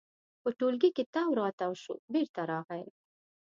په ټولګي کې تاو راتاو شو، بېرته راغی.